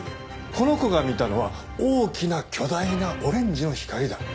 この子が見たのは大きな巨大なオレンジの光だ。